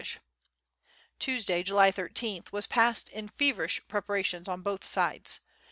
Tuesday, July 13th, was passed in feverish preparations on both sides.